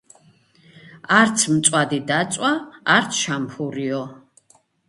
არც მწვადი დაწვა, არც შამფურიო.